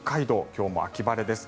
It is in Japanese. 今日も秋晴れです。